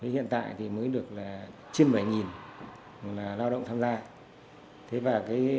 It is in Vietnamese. hiện tại mới được trên bảy lao động tham gia